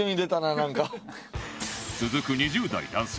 続く２０代男性